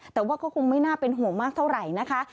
แต่ว่าก็ไม่น่าเป็นโหงมากเท่าไรนะคะ